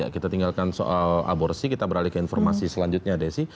kita tinggalkan soal aborsi kita beralih ke informasi selanjutnya desi